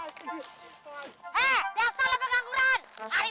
hari begini masih aja seliwetan di jalan